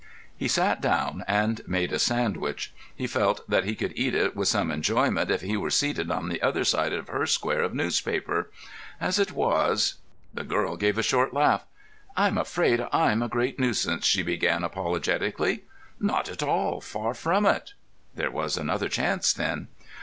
He sat down and made a sandwich. He felt that he could eat it with some enjoyment if he were seated on the other side of her square of newspaper. As it was.... The girl gave a short laugh. "I'm afraid I'm a great nuisance," she began apologetically. "Not at all. Far from it." There was another chance, then.